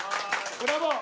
ブラボー！